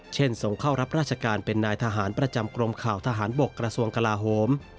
ส่งเข้ารับราชการเป็นนายทหารประจำกรมข่าวทหารบกกระทรวงกลาโฮม